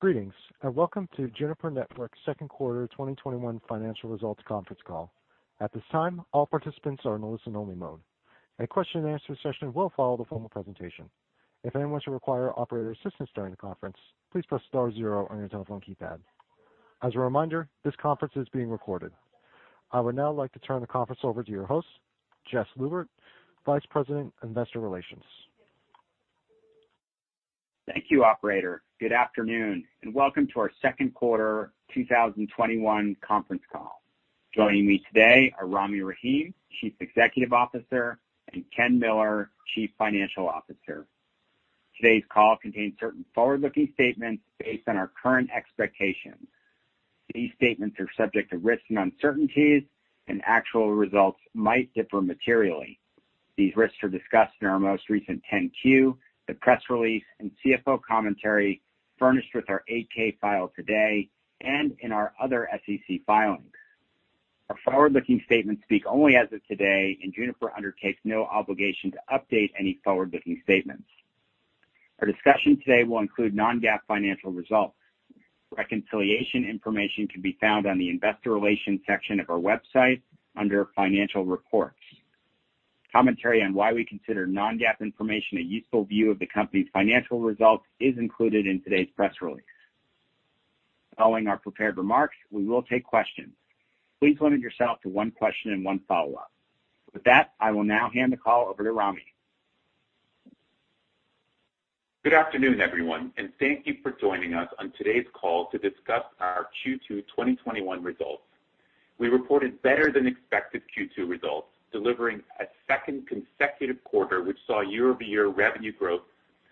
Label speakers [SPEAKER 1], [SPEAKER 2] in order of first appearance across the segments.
[SPEAKER 1] Greetings, and welcome to Juniper Networks' second quarter 2021 financial results conference call. At this time, all participants are in listen only mode. A question and answer session will follow the formal presentation. If anyone should require operator assistance during the conference, please press star zero on your telephone keypad. As a reminder, this conference is being recorded. I would now like to turn the conference over to your host, Jess Lubert, Vice President, Investor Relations.
[SPEAKER 2] Thank you, operator. Good afternoon, and welcome to our second quarter 2021 conference call. Joining me today are Rami Rahim, Chief Executive Officer, and Ken Miller, Chief Financial Officer. Today's call contains certain forward-looking statements based on our current expectations. These statements are subject to risks and uncertainties, and actual results might differ materially. These risks are discussed in our most recent 10-Q, the press release, and CFO commentary furnished with our 8-K file today, and in our other SEC filings. Our forward-looking statements speak only as of today, and Juniper undertakes no obligation to update any forward-looking statements. Our discussion today will include non-GAAP financial results. Reconciliation information can be found on the investor relations section of our website under financial reports. Commentary on why we consider non-GAAP information a useful view of the company's financial results is included in today's press release. Following our prepared remarks, we will take questions. Please limit yourself to one question and one follow-up. With that, I will now hand the call over to Rami.
[SPEAKER 3] Good afternoon, everyone, and thank you for joining us on today's call to discuss our Q2 2021 results. We reported better than expected Q2 results, delivering a second consecutive quarter which saw year-over-year revenue growth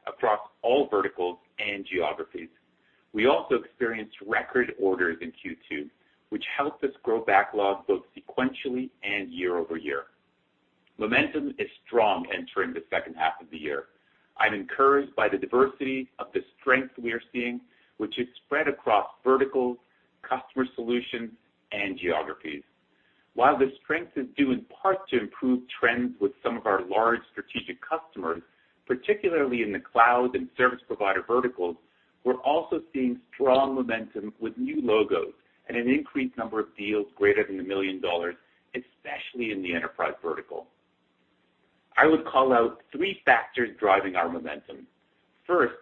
[SPEAKER 3] across all verticals and geographies. We also experienced record orders in Q2, which helped us grow backlogs both sequentially and year-over-year. Momentum is strong entering the second half of the year. I'm encouraged by the diversity of the strength we are seeing, which is spread across verticals, customer solutions, and geographies. While this strength is due in part to improved trends with some of our large strategic customers, particularly in the cloud and service provider verticals, we're also seeing strong momentum with new logos and an increased number of deals greater than $1 million, especially in the enterprise vertical. I would call out three factors driving our momentum. First,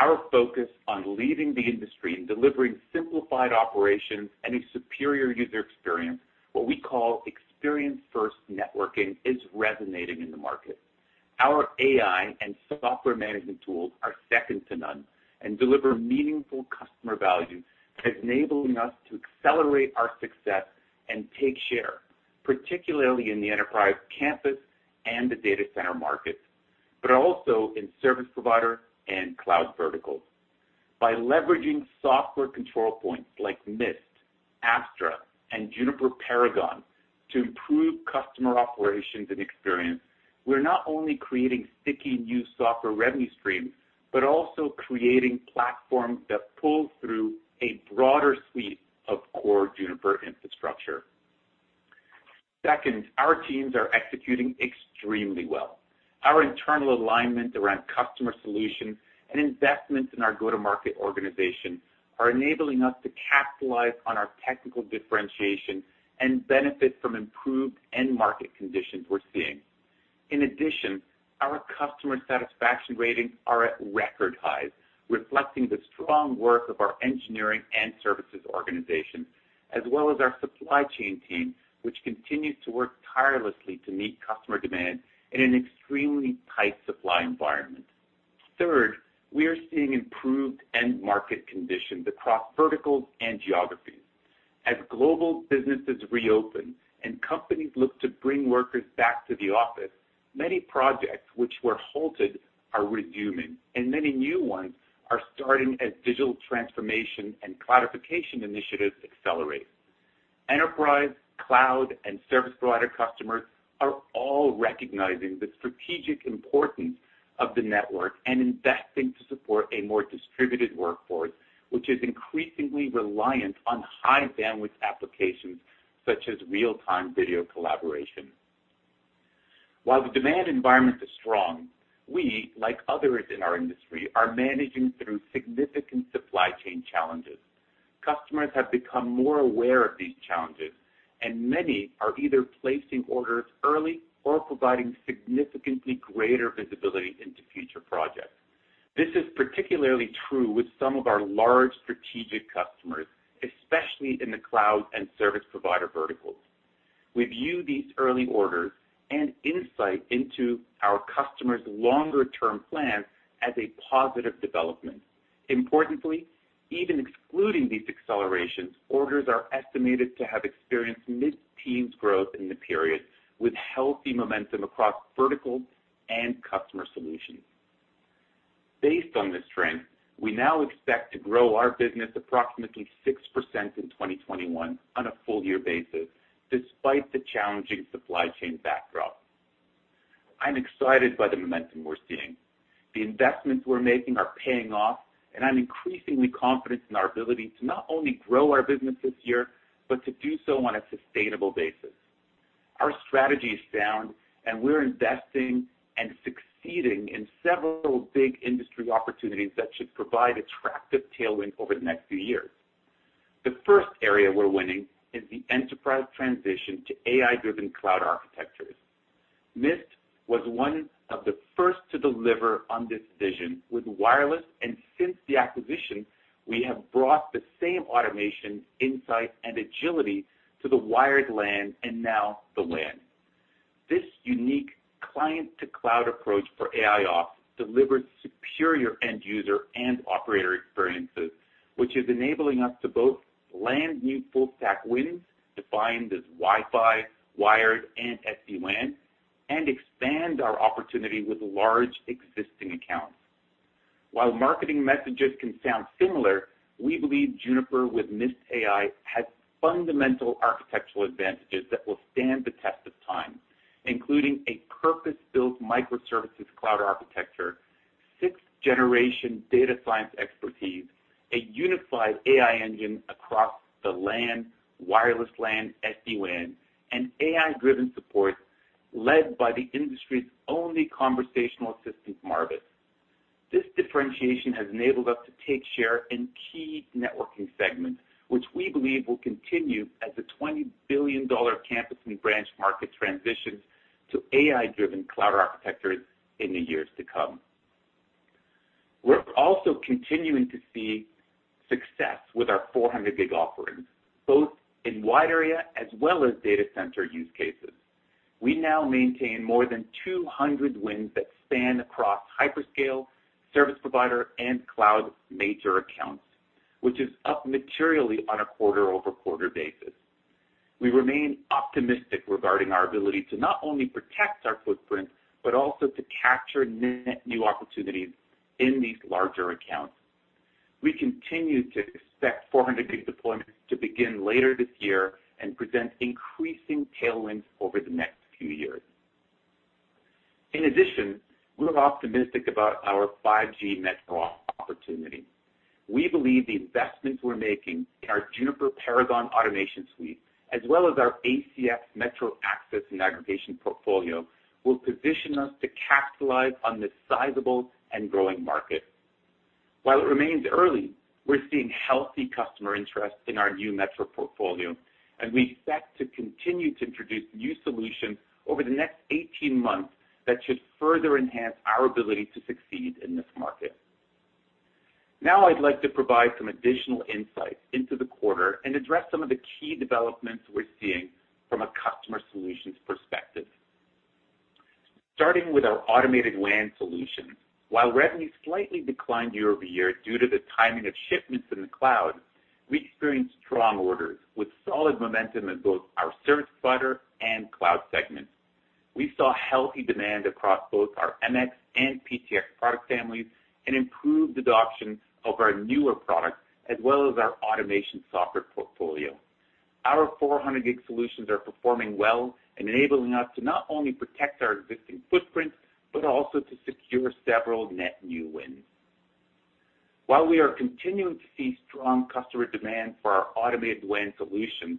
[SPEAKER 3] our focus on leading the industry in delivering simplified operations and a superior user experience, what we call experience first networking, is resonating in the market. Our AI and software management tools are second to none and deliver meaningful customer value, enabling us to accelerate our success and take share, particularly in the enterprise campus and the data center markets, but also in service provider and cloud verticals. By leveraging software control points like Mist, Apstra, and Juniper Paragon to improve customer operations and experience, we're not only creating sticky new software revenue streams, but also creating platforms that pull through a broader suite of core Juniper infrastructure. Second, our teams are executing extremely well. Our internal alignment around customer solutions and investments in our go-to-market organization are enabling us to capitalize on our technical differentiation and benefit from improved end market conditions we're seeing. In addition, our customer satisfaction ratings are at record highs, reflecting the strong work of our engineering and services organization, as well as our supply chain team, which continues to work tirelessly to meet customer demand in an extremely tight supply environment. Third, we are seeing improved end market conditions across verticals and geographies. As global businesses reopen and companies look to bring workers back to the office, many projects which were halted are resuming, and many new ones are starting as digital transformation and cloudification initiatives accelerate. Enterprise, cloud, and service provider customers are all recognizing the strategic importance of the network and investing to support a more distributed workforce, which is increasingly reliant on high bandwidth applications such as real-time video collaboration. While the demand environment is strong, we, like others in our industry, are managing through significant supply chain challenges. Customers have become more aware of these challenges, and many are either placing orders early or providing significantly greater visibility into future projects. This is particularly true with some of our large strategic customers, especially in the cloud and service provider verticals. We view these early orders and insight into our customers' longer term plans as a positive development. Importantly, even excluding these accelerations, orders are estimated to have experienced mid-teens growth in the period, with healthy momentum across verticals and customer solutions. Based on this trend, we now expect to grow our business approximately 6% in 2021 on a full year basis, despite the challenging supply chain backdrop. I'm excited by the momentum we're seeing. The investments we're making are paying off, and I'm increasingly confident in our ability to not only grow our business this year, but to do so on a sustainable basis. Our strategy is sound, and we're investing and succeeding in several big industry opportunities that should provide attractive tailwind over the next few years. The first area we're winning is the enterprise transition to AI-driven cloud architectures. Mist was one of the first to deliver on this vision with wireless, and since the acquisition, we have brought the same automation, insight, and agility to the wired LAN and now the WAN. This unique client-to-cloud approach for AIOps delivers superior end-user and operator experiences, which is enabling us to both land new full-stack wins, defined as Wi-Fi, wired, and SD-WAN, and expand our opportunity with large existing accounts. While marketing messages can sound similar, we believe Juniper with Mist AI has fundamental architectural advantages that will stand the test of time, including a purpose-built microservices cloud architecture, 6th-generation data science expertise, a unified AI engine across the LAN, wireless LAN, SD-WAN, and AI-driven support led by the industry's only conversational assistant, Marvis. This differentiation has enabled us to take share in key networking segments, which we believe will continue as the $20 billion campus and branch market transitions to AI-driven cloud architectures in the years to come. We're also continuing to see success with our 400G offerings, both in wide area as well as data center use cases. We now maintain more than 200 wins that span across hyperscale, service provider, and cloud major accounts, which is up materially on a quarter-over-quarter basis. We remain optimistic regarding our ability to not only protect our footprint, but also to capture net new opportunities in these larger accounts. We continue to expect 400G deployments to begin later this year and present increasing tailwinds over the next few years. In addition, we are optimistic about our 5G metro opportunity. We believe the investments we are making in our Juniper Paragon Automation suite, as well as our ACX metro access and aggregation portfolio, will position us to capitalize on this sizable and growing market. While it remains early, we are seeing healthy customer interest in our new metro portfolio, and we expect to continue to introduce new solutions over the next 18 months that should further enhance our ability to succeed in this market. Now I would like to provide some additional insights into the quarter and address some of the key developments we are seeing from a customer solutions perspective. Starting with our automated WAN solution. While revenue slightly declined year-over-year due to the timing of shipments in the cloud, we experienced strong orders with solid momentum in both our service provider and cloud segments. We saw healthy demand across both our MX and PTX product families, and improved adoption of our newer products, as well as our automation software portfolio. Our 400G solutions are performing well and enabling us to not only protect our existing footprint, but also to secure several net new wins. While we are continuing to see strong customer demand for our automated WAN solutions,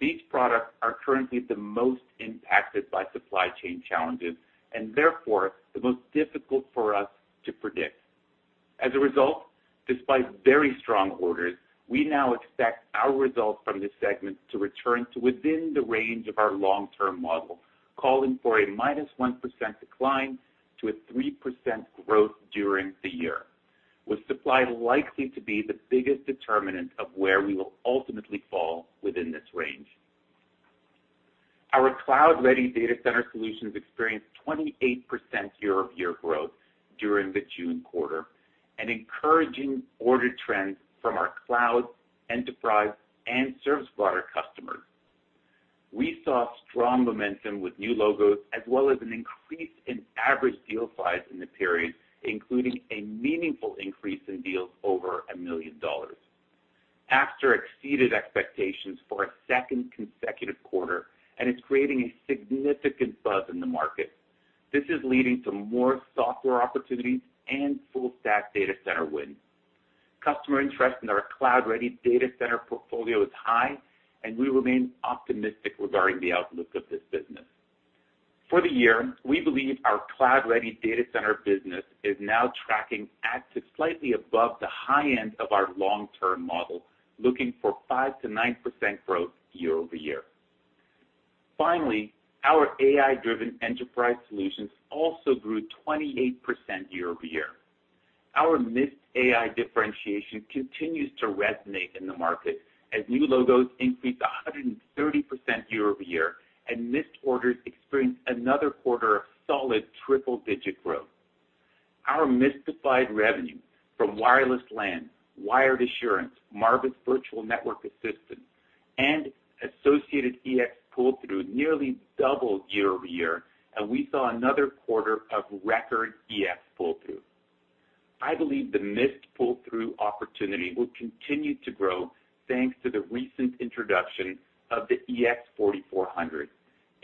[SPEAKER 3] these products are currently the most impacted by supply chain challenges and therefore the most difficult for us to predict. As a result, despite very strong orders, we now expect our results from this segment to return to within the range of our long-term model, calling for a -1% decline to a 3% growth during the year, with supply likely to be the biggest determinant of where we will ultimately fall within this range. Our cloud-ready data center solutions experienced 28% year-over-year growth during the June quarter, an encouraging order trend from our cloud, enterprise, and service provider customers. We saw strong momentum with new logos, as well as an increase in average deal size in the period, including a meaningful increase in deals over $1 million. Apstra exceeded expectations for a second consecutive quarter and is creating a significant buzz in the market. This is leading to more software opportunities and full stack data center wins. Customer interest in our cloud-ready data center portfolio is high, and we remain optimistic regarding the outlook of this business. For the year, we believe our cloud-ready data center business is now tracking at to slightly above the high end of our long-term model, looking for 5%-9% growth year-over-year. Finally, our AI-driven enterprise solutions also grew 28% year-over-year. Our Mist AI differentiation continues to resonate in the market as new logos increased 130% year-over-year and Mist orders experienced another quarter of solid triple-digit growth. Our Mistified revenue from Wireless LAN, Wired Assurance, Marvis Virtual Network Assistant, and associated EX pull-through nearly doubled year-over-year, and we saw another quarter of record EX pull-through. I believe the Mist pull-through opportunity will continue to grow thanks to the recent introduction of the EX4400,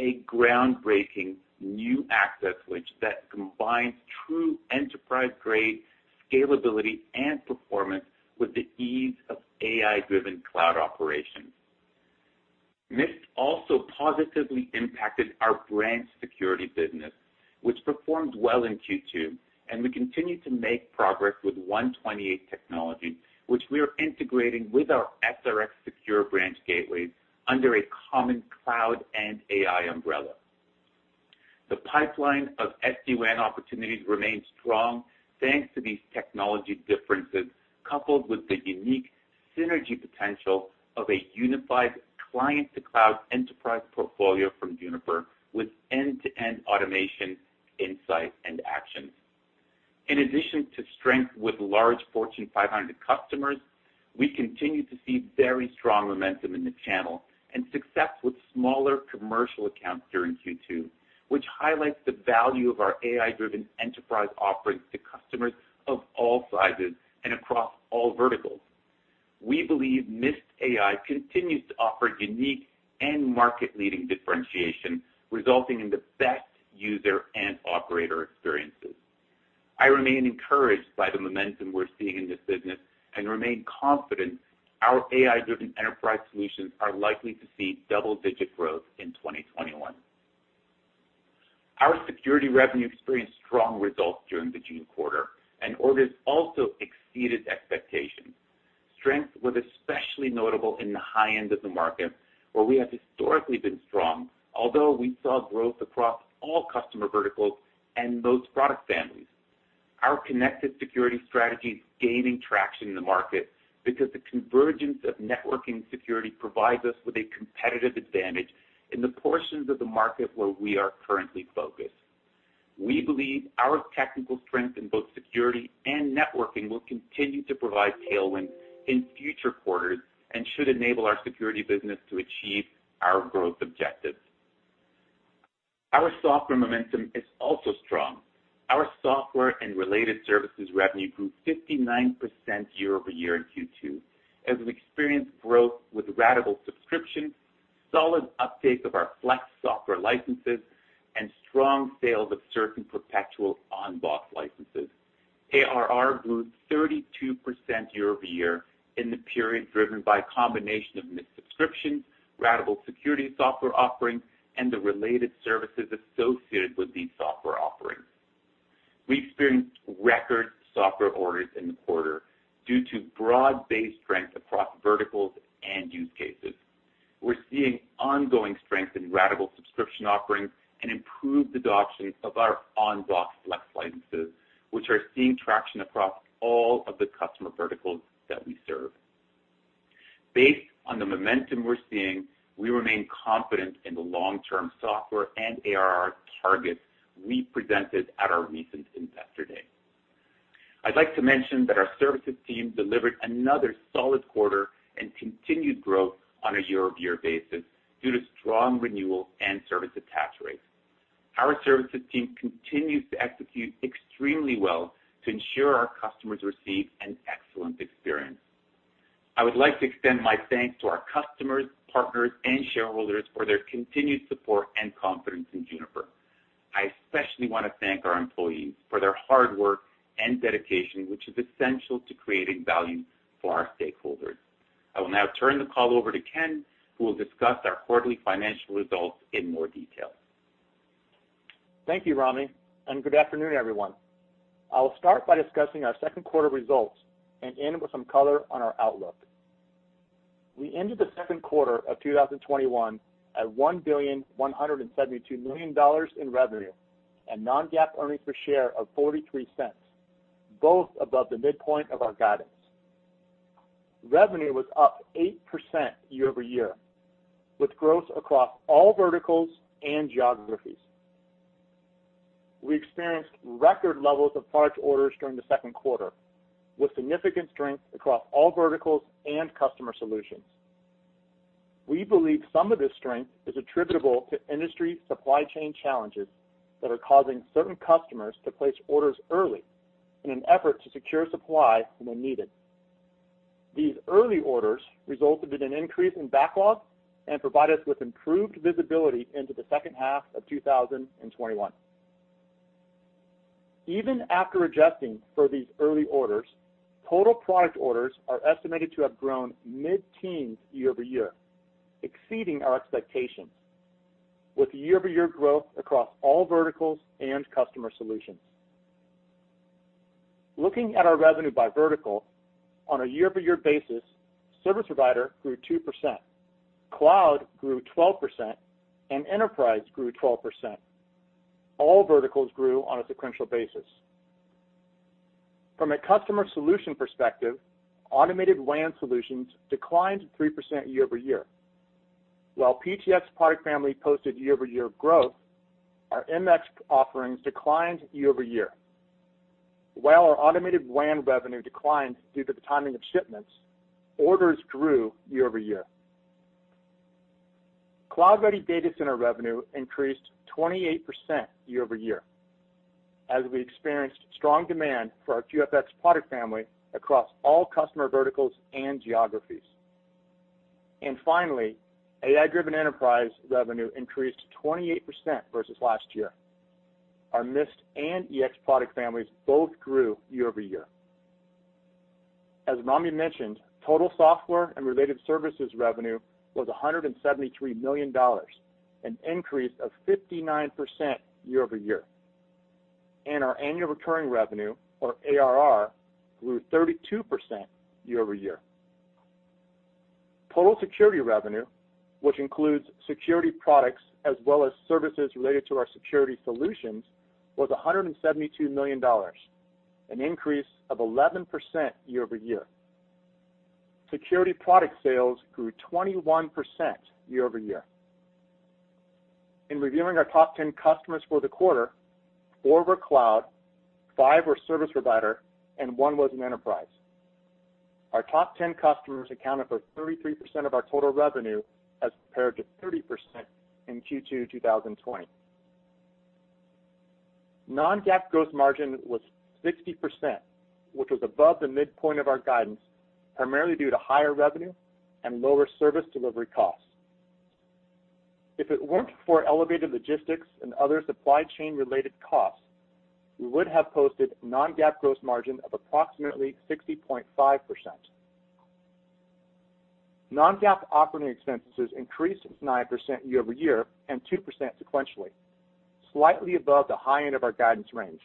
[SPEAKER 3] a groundbreaking new access switch that combines true enterprise-grade scalability and performance with the ease of AI-driven cloud operations. Mist also positively impacted our branch security business, which performed well in Q2, and we continue to make progress with 128 Technology, which we are integrating with our SRX Secure Branch Gateways under a common cloud and AI umbrella. The pipeline of SD-WAN opportunities remains strong thanks to these technology differences, coupled with the unique synergy potential of a unified client-to-cloud enterprise portfolio from Juniper, with end-to-end automation, insight, and actions. In addition to strength with large Fortune 500 customers, we continue to see very strong momentum in the channel and success with smaller commercial accounts during Q2, which highlights the value of our AI-driven enterprise offerings to customers of all sizes and across all verticals. We believe Mist AI continues to offer unique and market-leading differentiation, resulting in the best user and operator experiences. I remain encouraged by the momentum we're seeing in this business and remain confident our AI-driven enterprise solutions are likely to see double-digit growth in 2021. Our security revenue experienced strong results during the June quarter, and orders also exceeded expectations. Strength was especially notable in the high end of the market, where we have historically been strong, although we saw growth across all customer verticals and most product families. Our connected security strategy is gaining traction in the market because the convergence of networking security provides us with a competitive advantage in the portions of the market where we are currently focused. We believe our technical strength in both security and networking will continue to provide tailwind in future quarters and should enable our security business to achieve our growth objectives. Our software momentum is also strong. Our software and related services revenue grew 59% year-over-year in Q2, as we experienced growth with ratable subscriptions, solid uptakes of our Juniper Flex software licenses, and strong sales of certain perpetual on-box licenses. ARR grew 32% year-over-year in the period driven by a combination of Mist subscriptions, ratable security software offerings, and the related services associated with these software offerings. We experienced record software orders in the quarter due to broad-based strength across verticals and use cases. We're seeing ongoing strength in ratable subscription offerings and improved adoption of our on-box Juniper Flex licenses, which are seeing traction across all of the customer verticals that we serve. Based on the momentum we're seeing, we remain confident in the long-term software and ARR targets we presented at our recent Investor Day. I'd like to mention that our services team delivered another solid quarter and continued growth on a year-over-year basis due to strong renewal and service attach rates. Our services team continues to execute extremely well to ensure our customers receive an excellent experience. I would like to extend my thanks to our customers, partners, and shareholders for their continued support and confidence in Juniper. I especially want to thank our employees for their hard work and dedication, which is essential to creating value for our stakeholders. I will now turn the call over to Ken, who will discuss our quarterly financial results in more detail.
[SPEAKER 4] Thank you, Rami, good afternoon, everyone. I will start by discussing our second quarter results and end with some color on our outlook. We ended the second quarter of 2021 at $1 billion, $172 million in revenue and non-GAAP earnings per share of $0.43, both above the midpoint of our guidance. Revenue was up 8% year-over-year, with growth across all verticals and geographies. We experienced record levels of product orders during the second quarter, with significant strength across all verticals and customer solutions. We believe some of this strength is attributable to industry supply chain challenges that are causing certain customers to place orders early in an effort to secure supply when needed. These early orders resulted in an increase in backlog and provide us with improved visibility into the second half of 2021. Even after adjusting for these early orders, total product orders are estimated to have grown mid-teens year-over-year, exceeding our expectations with year-over-year growth across all verticals and customer solutions. Looking at our revenue by vertical on a year-over-year basis, service provider grew 2%, cloud grew 12%, and enterprise grew 12%. All verticals grew on a sequential basis. From a customer solution perspective, automated LAN solutions declined 3% year-over-year. PTX product family posted year-over-year growth, our MX offerings declined year-over-year. Our automated WAN revenue declined due to the timing of shipments, orders grew year-over-year. cloud-ready data center revenue increased 28% year-over-year as we experienced strong demand for our QFX product family across all customer verticals and geographies. Finally, AI-driven enterprise revenue increased 28% versus last year. Our Mist and EX product families both grew year-over-year. As Rami mentioned, total software and related services revenue was $173 million, an increase of 59% year-over-year, and our annual recurring revenue, or ARR, grew 32% year-over-year. Total security revenue, which includes security products as well as services related to our security solutions, was $172 million, an increase of 11% year-over-year. Security product sales grew 21% year-over-year. In reviewing our top 10 customers for the quarter, four were cloud, five were service provider, and one was an enterprise. Our top 10 customers accounted for 33% of our total revenue as compared to 30% in Q2 2020. Non-GAAP gross margin was 60%, which was above the midpoint of our guidance, primarily due to higher revenue and lower service delivery costs. If it weren't for elevated logistics and other supply chain-related costs, we would have posted non-GAAP gross margin of approximately 60.5%. Non-GAAP operating expenses increased 9% year-over-year and 2% sequentially, slightly above the high end of our guidance range,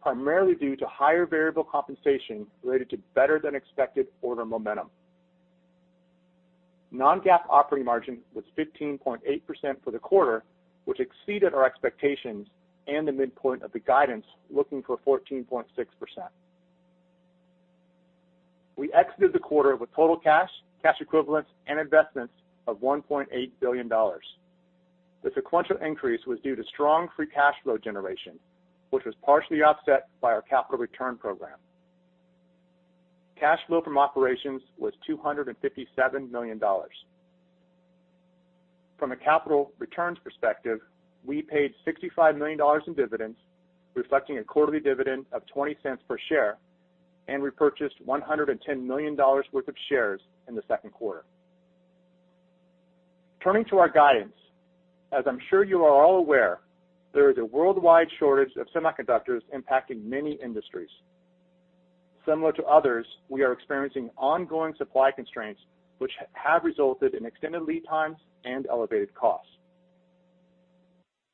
[SPEAKER 4] primarily due to higher variable compensation related to better than expected order momentum. Non-GAAP operating margin was 15.8% for the quarter, which exceeded our expectations and the midpoint of the guidance looking for 14.6%. We exited the quarter with total cash equivalents, and investments of $1.8 billion. The sequential increase was due to strong free cash flow generation, which was partially offset by our capital return program. Cash flow from operations was $257 million. From a capital returns perspective, we paid $65 million in dividends, reflecting a quarterly dividend of $0.20 per share, and repurchased $110 million worth of shares in the second quarter. Turning to our guidance. As I'm sure you are all aware, there is a worldwide shortage of semiconductors impacting many industries. Similar to others, we are experiencing ongoing supply constraints, which have resulted in extended lead times and elevated costs.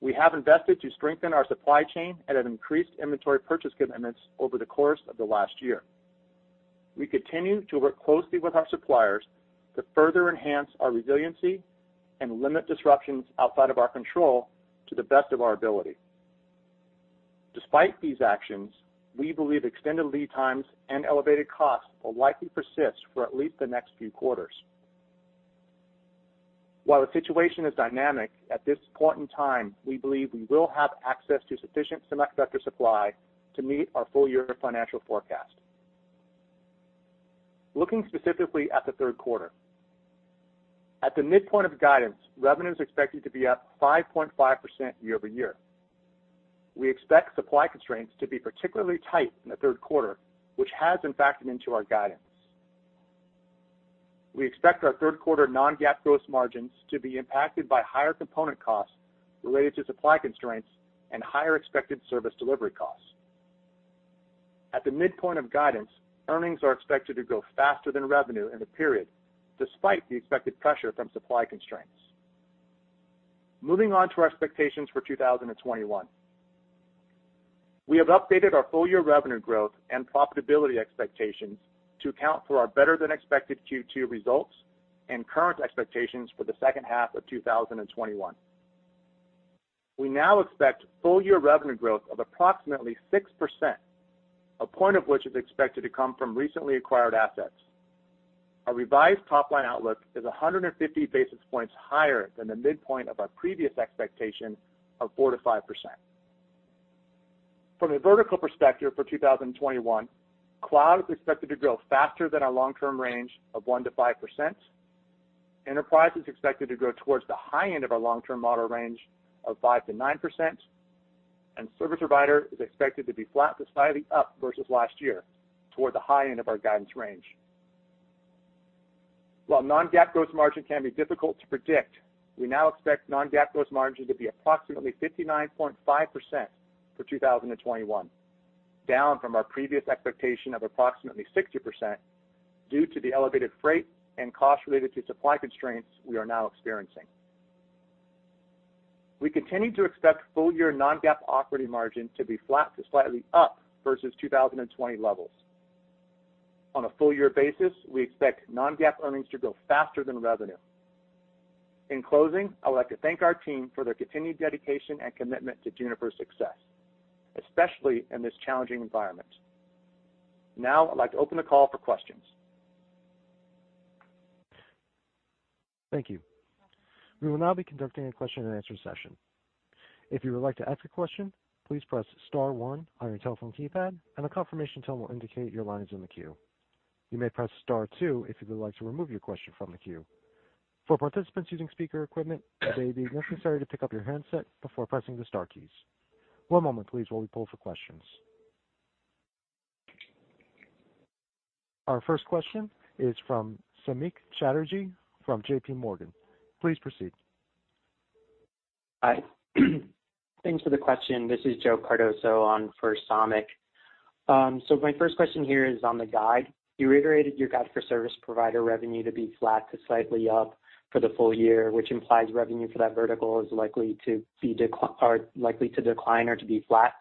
[SPEAKER 4] We have invested to strengthen our supply chain and have increased inventory purchase commitments over the course of the last year. We continue to work closely with our suppliers to further enhance our resiliency and limit disruptions outside of our control to the best of our ability. Despite these actions, we believe extended lead times and elevated costs will likely persist for at least the next few quarters. While the situation is dynamic, at this point in time, we believe we will have access to sufficient semiconductor supply to meet our full-year financial forecast. Looking specifically at the third quarter. At the midpoint of guidance, revenue is expected to be up 5.5% year-over-year. We expect supply constraints to be particularly tight in the third quarter, which has been factored into our guidance. We expect our third quarter non-GAAP gross margins to be impacted by higher component costs related to supply constraints and higher expected service delivery costs. At the midpoint of guidance, earnings are expected to grow faster than revenue in the period, despite the expected pressure from supply constraints. Moving on to our expectations for 2021. We have updated our full-year revenue growth and profitability expectations to account for our better than expected Q2 results and current expectations for the second half of 2021. We now expect full-year revenue growth of approximately 6%, one point of which is expected to come from recently acquired assets. Our revised top-line outlook is 150 basis points higher than the midpoint of our previous expectation of 4%-5%. From a vertical perspective for 2021, cloud is expected to grow faster than our long-term range of 1% to 5%. Enterprise is expected to grow towards the high end of our long-term model range of 5% to 9%, and service provider is expected to be flat to slightly up versus last year, toward the high end of our guidance range. While non-GAAP gross margin can be difficult to predict, we now expect non-GAAP gross margin to be approximately 59.5% for 2021, down from our previous expectation of approximately 60% due to the elevated freight and costs related to supply constraints we are now experiencing. We continue to expect full-year non-GAAP operating margin to be flat to slightly up versus 2020 levels. On a full-year basis, we expect non-GAAP earnings to grow faster than revenue. In closing, I would like to thank our team for their continued dedication and commitment to Juniper's success, especially in this challenging environment. I'd like to open the call for questions.
[SPEAKER 1] Thank you. We will now be conducting a question and answer session. If you would like to ask a question, please press star one on your telephone keypad, and a confirmation tone will indicate your line is in the queue. You may press star two if you would like to remove your question from the queue. For participants using speaker equipment, it may be necessary to pick up your handset before pressing the star keys. One moment, please, while we pull for questions. Our first question is from Samik Chatterjee from JPMorgan. Please proceed.
[SPEAKER 5] Hi. Thanks for the question. This is Joseph Cardoso on for Samik. My first question here is on the guide. You reiterated your guide for service provider revenue to be flat to slightly up for the full year, which implies revenue for that vertical is likely to decline or to be flat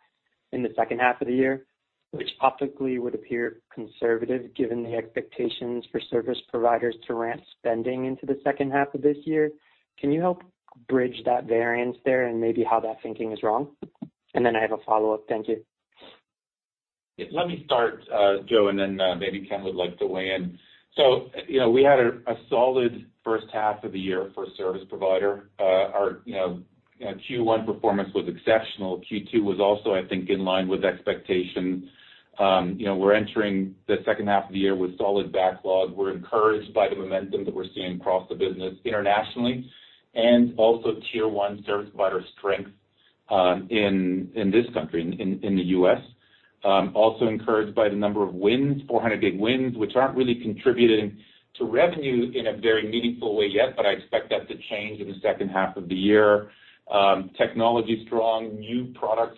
[SPEAKER 5] in the second half of the year, which optically would appear conservative given the expectations for service providers to ramp spending into the second half of this year. Can you help bridge that variance there and maybe how that thinking is wrong? Then I have a follow-up. Thank you.
[SPEAKER 3] Let me start, Joe, and then maybe Ken would like to weigh in. We had a solid first half of the year for service provider. Our Q1 performance was exceptional. Q2 was also, I think, in line with expectation. We're entering the second half of the year with solid backlog. We're encouraged by the momentum that we're seeing across the business internationally, and also tier 1 service provider strength in this country, in the U.S. Also encouraged by the number of wins, 400G wins, which aren't really contributing to revenue in a very meaningful way yet, but I expect that to change in the second half of the year. Technology's strong. New products,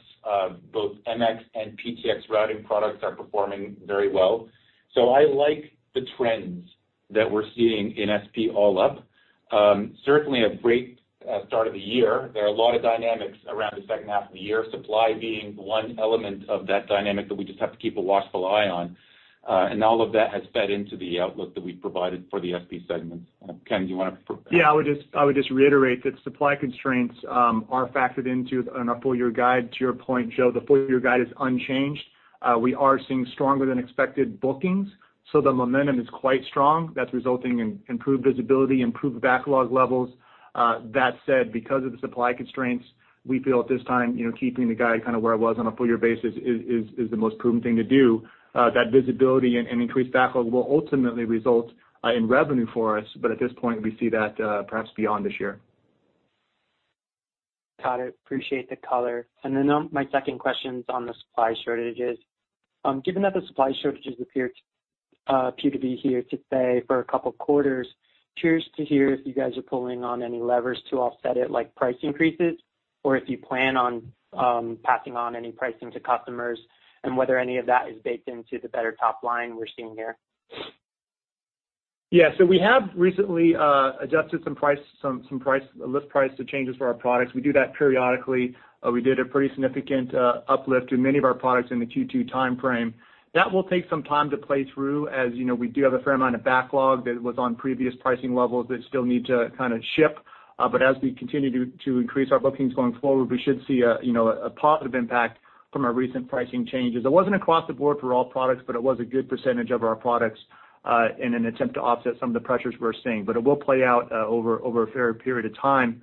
[SPEAKER 3] both MX and PTX routing products, are performing very well. I like the trends that we're seeing in SP all up. Certainly a great start of the year. There are a lot of dynamics around the second half of the year, supply being one element of that dynamic that we just have to keep a watchful eye on. All of that has fed into the outlook that we've provided for the SP segments. Ken, do you want to-
[SPEAKER 4] I would just reiterate that supply constraints are factored into on our full-year guide. To your point, Joe, the full-year guide is unchanged. We are seeing stronger than expected bookings, so the momentum is quite strong. That's resulting in improved visibility, improved backlog levels. That said, because of the supply constraints, we feel at this time, keeping the guide kind of where it was on a full year basis is the most prudent thing to do. That visibility and increased backlog will ultimately result in revenue for us, but at this point, we see that perhaps beyond this year.
[SPEAKER 5] Got it. Appreciate the color. Then my second question's on the supply shortages. Given that the supply shortages appear to be here to stay for a couple of quarters, curious to hear if you guys are pulling on any levers to offset it, like price increases, or if you plan on passing on any pricing to customers, and whether any of that is baked into the better top line we're seeing here.
[SPEAKER 4] Yeah. We have recently adjusted some list price to changes for our products. We do that periodically. We did a pretty significant uplift to many of our products in the Q2 timeframe. That will take some time to play through, as we do have a fair amount of backlog that was on previous pricing levels that still need to kind of ship. As we continue to increase our bookings going forward, we should see a positive impact from our recent pricing changes. It wasn't across the board for all products, but it was a good percentage of our products in an attempt to offset some of the pressures we're seeing. It will play out over a fair period of time.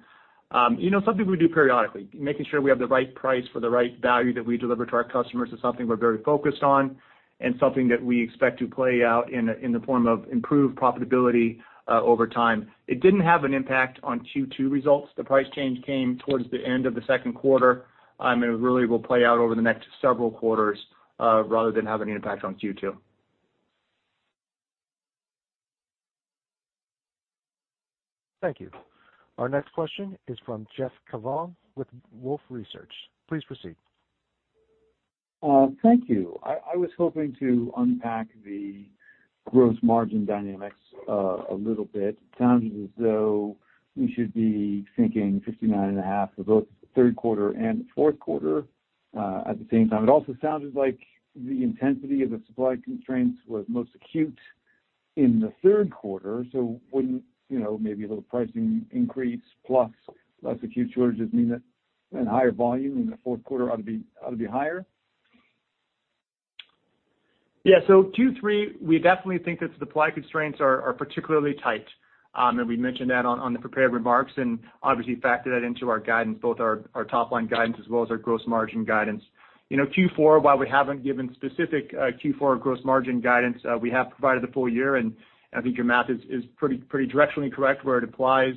[SPEAKER 4] Something we do periodically, making sure we have the right price for the right value that we deliver to our customers is something we're very focused on, something that we expect to play out in the form of improved profitability over time. It didn't have an impact on Q2 results. The price change came towards the end of the second quarter, it really will play out over the next several quarters rather than have any impact on Q2.
[SPEAKER 1] Thank you. Our next question is from Jeff Kvaal with Wolfe Research. Please proceed.
[SPEAKER 6] Thank you. I was hoping to unpack the gross margin dynamics a little bit. It sounds as though we should be thinking 59.5 for both the third quarter and fourth quarter. At the same time, it also sounded like the intensity of the supply constraints was most acute in the third quarter, wouldn't maybe a little pricing increase plus less acute shortages mean that a higher volume in the fourth quarter ought to be higher?
[SPEAKER 4] Q3, we definitely think that supply constraints are particularly tight. We mentioned that on the prepared remarks and obviously factored that into our guidance, both our top-line guidance as well as our gross margin guidance. Q4, while we haven't given specific Q4 gross margin guidance, we have provided the full year, and I think your math is pretty directionally correct where it applies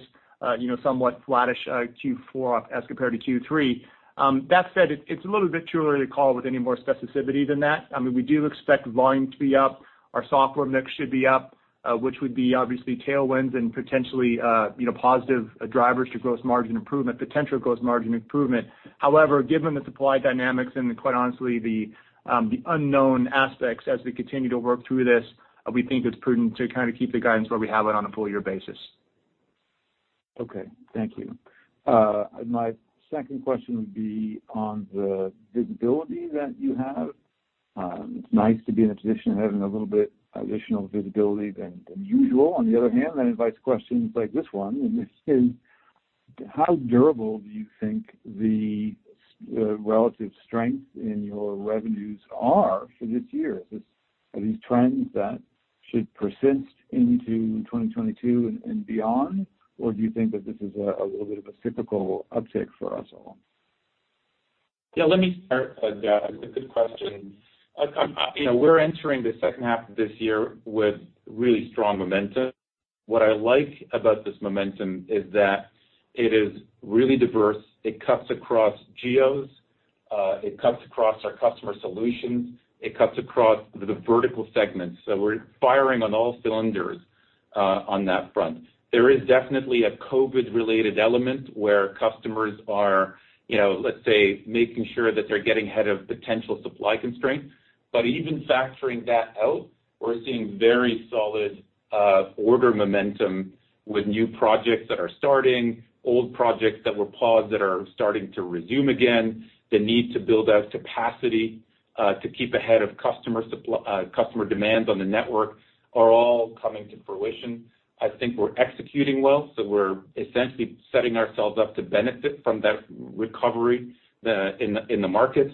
[SPEAKER 4] somewhat flattish Q4 as compared to Q3. That said, it's a little bit too early to call with any more specificity than that. We do expect volume to be up. Our software mix should be up, which would be obviously tailwinds and potentially positive drivers to gross margin improvement, potential gross margin improvement. Given the supply dynamics and quite honestly, the unknown aspects as we continue to work through this, we think it's prudent to kind of keep the guidance where we have it on a full year basis.
[SPEAKER 6] Thank you. My second question would be on the visibility that you have. It's nice to be in a position of having a little bit additional visibility than usual. On the other hand, that invites questions like this one, this is, how durable do you think the relative strength in your revenues are for this year? Are these trends that should persist into 2022 and beyond? Do you think that this is a little bit of a cyclical uptick for us all?
[SPEAKER 3] Yeah, let me start. It's a good question. We're entering the second half of this year with really strong momentum. What I like about this momentum is that it is really diverse. It cuts across geos, it cuts across our customer solutions, it cuts across the vertical segments. We're firing on all cylinders on that front. There is definitely a COVID-related element where customers are, let's say, making sure that they're getting ahead of potential supply constraints. Even factoring that out, we're seeing very solid order momentum with new projects that are starting, old projects that were paused that are starting to resume again, the need to build out capacity to keep ahead of customer demands on the network are all coming to fruition. I think we're executing well, we're essentially setting ourselves up to benefit from that recovery in the market.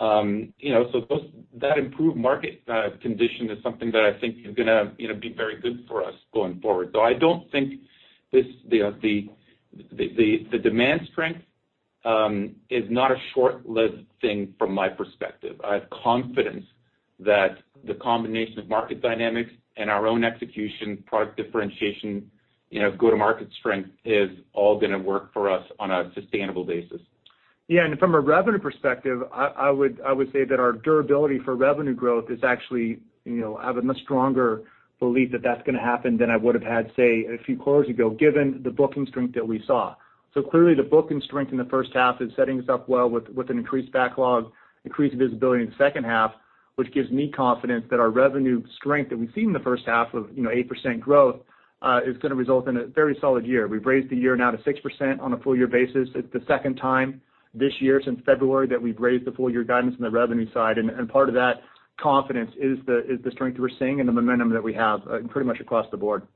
[SPEAKER 3] That improved market condition is something that I think is going to be very good for us going forward. I don't think the demand strength is not a short-lived thing from my perspective. I have confidence that the combination of market dynamics and our own execution, product differentiation, go-to-market strength is all going to work for us on a sustainable basis.
[SPEAKER 4] Yeah, from a revenue perspective, I would say that our durability for revenue growth is actually, I have a much stronger belief that that's going to happen than I would have had, say, a few quarters ago, given the booking strength that we saw. Clearly the booking strength in the first half is setting us up well with an increased backlog, increased visibility in the second half, which gives me confidence that our revenue strength that we've seen in the first half of 8% growth is going to result in a very solid year. We've raised the year now to 6% on a full year basis. It's the second time this year since February that we've raised the full year guidance on the revenue side. Part of that confidence is the strength we're seeing and the momentum that we have pretty much across the board.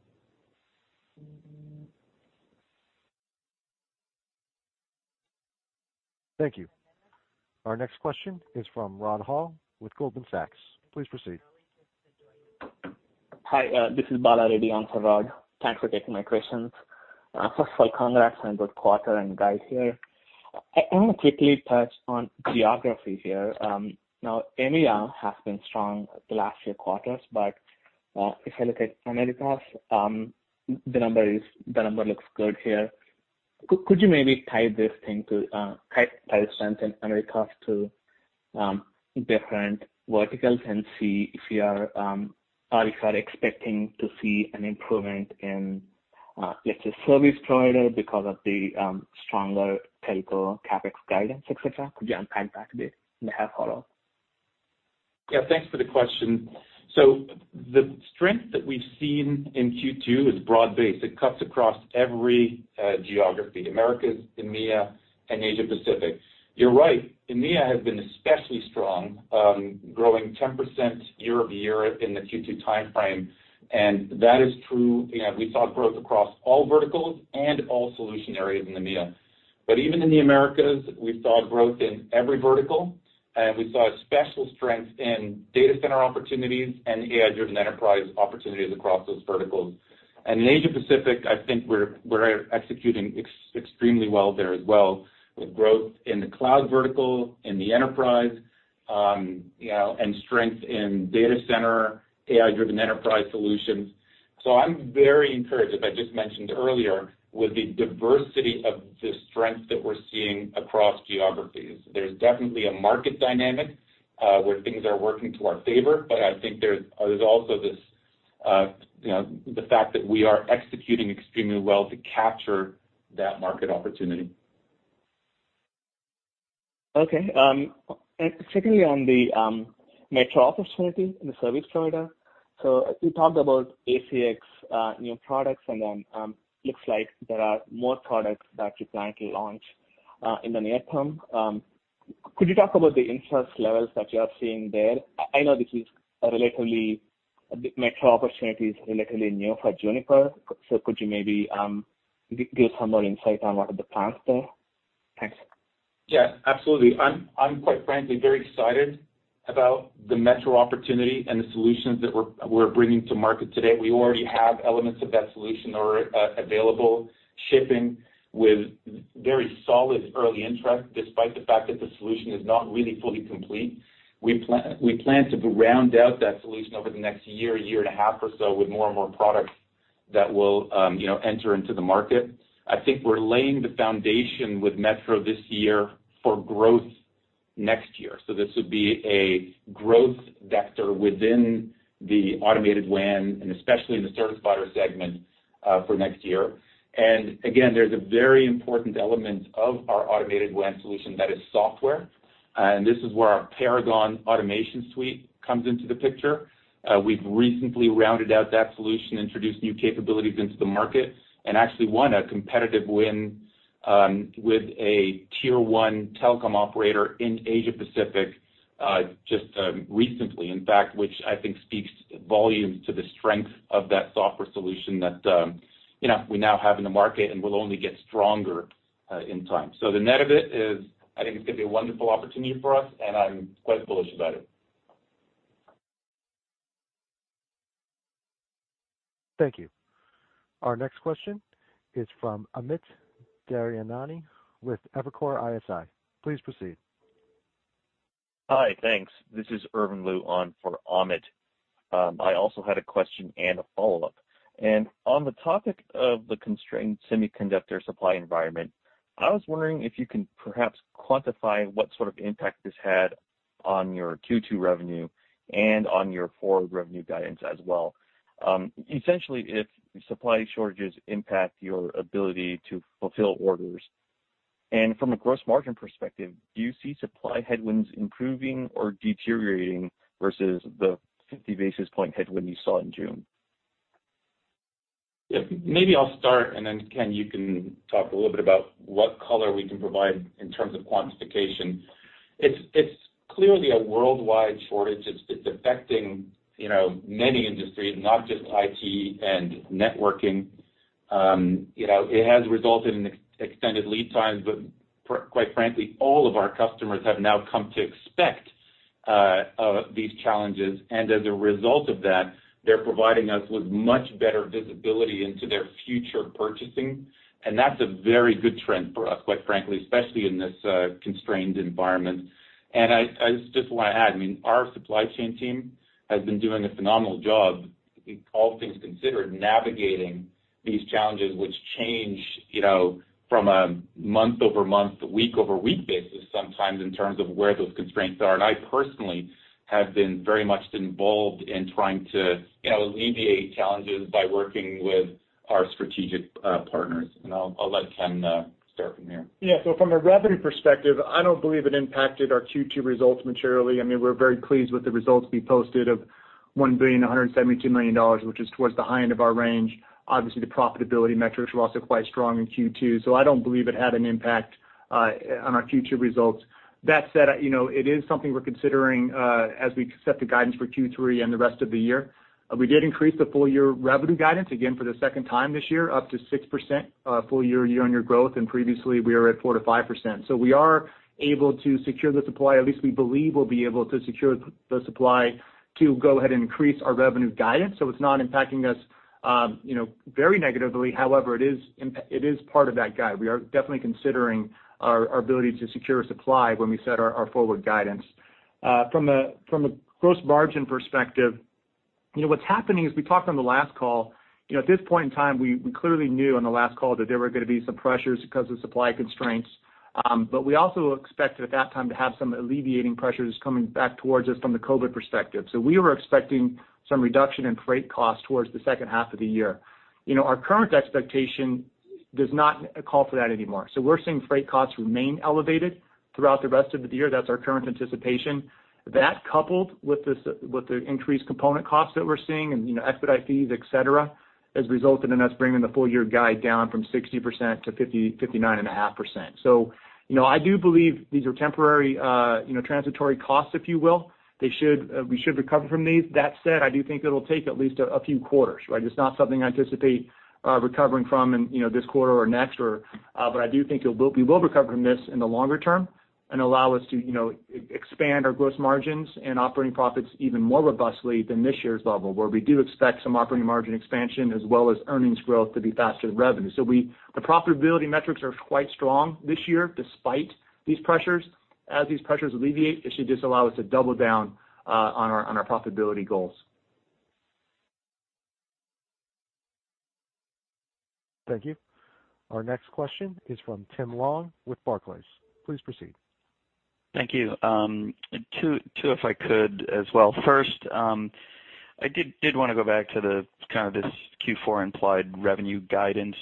[SPEAKER 1] Thank you. Our next question is from Rod Hall with Goldman Sachs. Please proceed.
[SPEAKER 7] Hi, this is Bala Reddy on for Rod Hall. Thanks for taking my questions. First of all, congrats on a good quarter and guide here. I want to quickly touch on geography here. EMEA has been strong the last few quarters, but if I look at Americas, the number looks good here. Could you maybe tie strength in Americas to different verticals and see if you are expecting to see an improvement in, let's say, service provider because of the stronger telco CapEx guidance, et cetera? Could you unpack that a bit? I have a follow-up.
[SPEAKER 3] Yeah, thanks for the question. The strength that we've seen in Q2 is broad-based. It cuts across every geography, Americas, EMEA, and Asia Pacific. You're right, EMEA has been especially strong, growing 10% year-over-year in the Q2 timeframe. That is true. We saw growth across all verticals and all solution areas in EMEA. Even in the Americas, we saw growth in every vertical, and we saw special strength in data center opportunities and AI-driven enterprise opportunities across those verticals. In Asia Pacific, I think we're executing extremely well there as well, with growth in the cloud vertical, in the enterprise, and strength in data center, AI-driven enterprise solutions. I'm very encouraged, as I just mentioned earlier, with the diversity of the strengths that we're seeing across geographies. There's definitely a market dynamic where things are working to our favor, but I think there's also the fact that we are executing extremely well to capture that market opportunity.
[SPEAKER 7] Okay. Secondly on the metro opportunity in the service provider. You talked about ACX new products and then looks like there are more products that you plan to launch in the near term. Could you talk about the interest levels that you are seeing there? I know metro opportunity is relatively new for Juniper, so could you maybe give some more insight on what are the plans there? Thanks.
[SPEAKER 3] Yeah, absolutely. I'm quite frankly very excited about the metro opportunity and the solutions that we're bringing to market today. We already have elements of that solution that are available, shipping with very solid early interest, despite the fact that the solution is not really fully complete. We plan to round out that solution over the next year and a half or so with more and more products that will enter into the market. I think we're laying the foundation with metro this year for growth next year. This would be a growth vector within the automated WAN, and especially in the service provider segment for next year. Again, there's a very important element of our automated WAN solution that is software, and this is where our Paragon Automation suite comes into the picture. We've recently rounded out that solution, introduced new capabilities into the market, and actually won a competitive win with a tier 1 telecom operator in Asia Pacific just recently, in fact, which I think speaks volumes to the strength of that software solution that we now have in the market and will only get stronger in time. The net of it is, I think it's going to be a wonderful opportunity for us, and I'm quite bullish about it.
[SPEAKER 1] Thank you. Our next question is from Amit Daryanani with Evercore ISI. Please proceed.
[SPEAKER 8] Hi, thanks. This is Irvin Liu on for Amit. I also had a question and a follow-up. On the topic of the constrained semiconductor supply environment, I was wondering if you can perhaps quantify what sort of impact this had on your Q2 revenue and on your forward revenue guidance as well. Essentially, if supply shortages impact your ability to fulfill orders. From a gross margin perspective, do you see supply headwinds improving or deteriorating versus the 50 basis point headwind you saw in June?
[SPEAKER 3] Yeah, maybe I'll start, and then Ken, you can talk a little bit about what color we can provide in terms of quantification. It's clearly a worldwide shortage. It's affecting many industries, not just IT and networking. It has resulted in extended lead times, but quite frankly, all of our customers have now come to expect these challenges, and as a result of that, they're providing us with much better visibility into their future purchasing, and that's a very good trend for us, quite frankly, especially in this constrained environment. I just want to add, our supply chain team has been doing a phenomenal job, all things considered, navigating these challenges which change from a month-over-month, week-over-week basis sometimes in terms of where those constraints are. I personally have been very much involved in trying to alleviate challenges by working with our strategic partners. I'll let Ken start from there.
[SPEAKER 4] From a revenue perspective, I don't believe it impacted our Q2 results materially. We're very pleased with the results we posted of $1,172,000,000, which is towards the high end of our range. Obviously, the profitability metrics were also quite strong in Q2, I don't believe it had an impact on our Q2 results. That said, it is something we're considering as we set the guidance for Q3 and the rest of the year. We did increase the full-year revenue guidance again for the second time this year, up to 6% full-year year-on-year growth, previously, we were at 4%-5%. We are able to secure the supply, at least we believe we'll be able to secure the supply to go ahead and increase our revenue guidance. It's not impacting us very negatively. However, it is part of that guide. We are definitely considering our ability to secure supply when we set our forward guidance. From a gross margin perspective, what's happening is we talked on the last call, at this point in time, we clearly knew on the last call that there were going to be some pressures because of supply constraints. We also expected at that time to have some alleviating pressures coming back towards us from the COVID perspective. We were expecting some reduction in freight costs towards the second half of the year. Our current expectation does not call for that anymore. We're seeing freight costs remain elevated throughout the rest of the year. That's our current anticipation. That, coupled with the increased component costs that we're seeing and expedite fees, et cetera, has resulted in us bringing the full year guide down from 60%-59.5%. I do believe these are temporary transitory costs, if you will. We should recover from these. That said, I do think it'll take at least a few quarters. It's not something I anticipate recovering from in this quarter or next, but I do think we will recover from this in the longer term and allow us to expand our gross margins and operating profits even more robustly than this year's level, where we do expect some operating margin expansion as well as earnings growth to be faster than revenue. The profitability metrics are quite strong this year, despite these pressures. As these pressures alleviate, it should just allow us to double down on our profitability goals.
[SPEAKER 1] Thank you. Our next question is from Tim Long with Barclays. Please proceed.
[SPEAKER 9] Thank you. Two if I could as well. First, I did want to go back to this Q4 implied revenue guidance.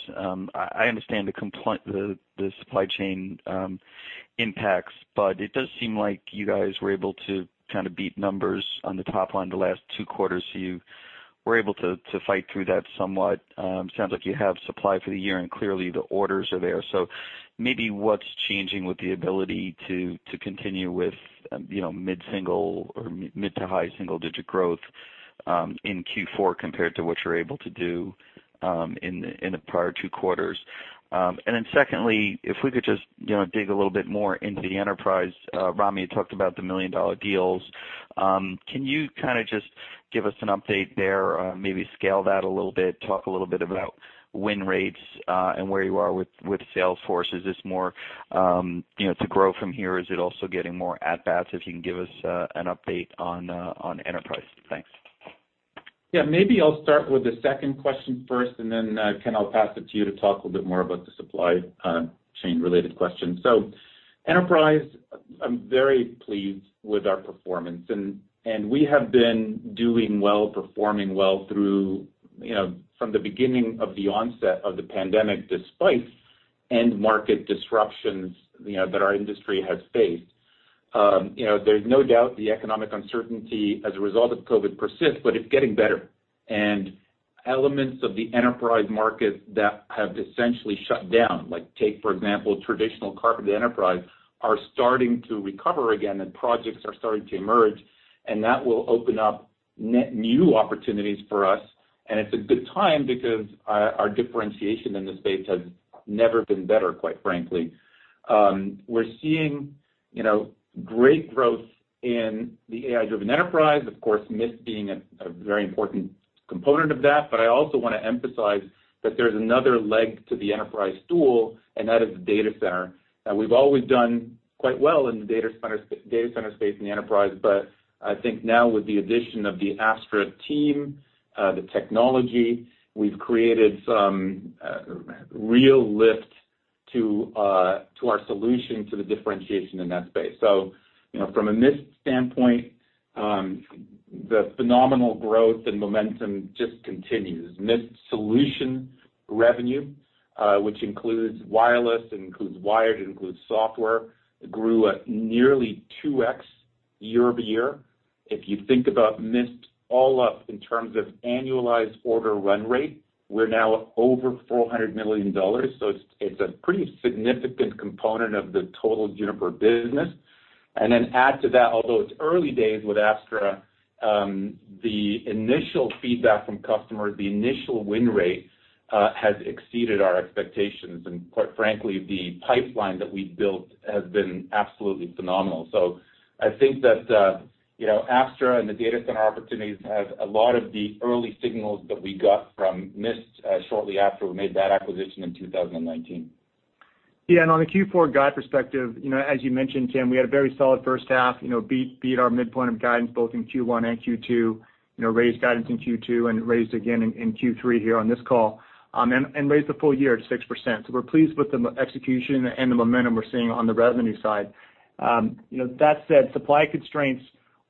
[SPEAKER 9] I understand the supply chain impacts. It does seem like you guys were able to beat numbers on the top line the last two quarters. You were able to fight through that somewhat. Sounds like you have supply for the year. Clearly the orders are there. Maybe what's changing with the ability to continue with mid-single or mid to high single-digit growth in Q4 compared to what you were able to do in the prior two quarters? Secondly, if we could just dig a little bit more into the enterprise. Rami, you talked about the million-dollar deals. Can you just give us an update there, maybe scale that a little bit, talk a little bit about win rates, and where you are with sales force? Is this more to grow from here? Is it also getting more at bats? If you can give us an update on enterprise. Thanks.
[SPEAKER 3] Yeah, maybe I'll start with the second question first, and then, Ken, I'll pass it to you to talk a little bit more about the supply chain related question. Enterprise, I'm very pleased with our performance, and we have been doing well, performing well from the beginning of the onset of the pandemic, despite end market disruptions that our industry has faced. There's no doubt the economic uncertainty as a result of COVID persists, but it's getting better. Elements of the enterprise market that have essentially shut down, like take, for example, traditional carpet enterprise, are starting to recover again, and projects are starting to emerge, and that will open up new opportunities for us. It's a good time because our differentiation in this space has never been better, quite frankly. We're seeing great growth in the AI-driven enterprise. Of course, Mist being a very important component of that. I also want to emphasize that there's another leg to the enterprise stool, and that is the data center. We've always done quite well in the data center space in the enterprise. I think now with the addition of the Apstra team, the technology, we've created some real lift to our solution to the differentiation in that space. From a Mist standpoint, the phenomenal growth and momentum just continues. Mist solution revenue, which includes wireless, it includes wired, it includes software, grew at nearly 2x year-over-year. If you think about Mist all up in terms of annualized order run rate, we're now at over $400 million. It's a pretty significant component of the total Juniper business. Add to that, although it's early days with Apstra, the initial feedback from customers, the initial win rate, has exceeded our expectations. Quite frankly, the pipeline that we've built has been absolutely phenomenal. I think that Apstra and the data center opportunities have a lot of the early signals that we got from Mist, shortly after we made that acquisition in 2019.
[SPEAKER 4] On the Q4 guide perspective, as you mentioned, Tim, we had a very solid first half, beat our midpoint of guidance both in Q1 and Q2, raised guidance in Q2 and raised again in Q3 here on this call, and raised the full year to 6%. We're pleased with the execution and the momentum we're seeing on the revenue side. That said, supply constraints